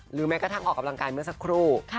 แม้กระทั่งออกกำลังกายเมื่อสักครู่